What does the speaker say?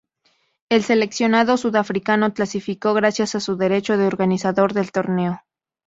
El seleccionado sudafricano clasificó gracias a su derecho de organizador del torneo.